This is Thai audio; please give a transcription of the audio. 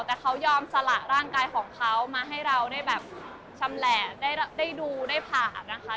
แต่เขายอมสละร่างกายของเขามาให้เราได้แบบชำแหละได้ดูได้ผ่านนะคะ